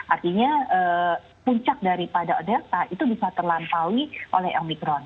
artinya puncak daripada delta itu bisa terlampaui oleh omikron